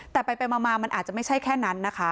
แต่ไปมามันอาจจะไม่ใช่แค่นั้นนะคะ